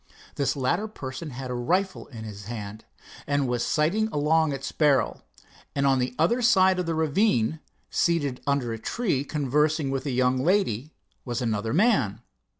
This latter person had a rifle in his hand, and was sighting along its barrel, and on the other side of the ravine, seated under a tree conversing with a young lady, was another man.